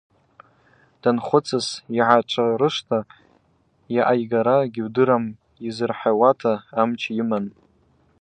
Данхвыцыз йгӏашӏарышвта, йъайгара гьидыруам–йзырхӏвауата амч йыман.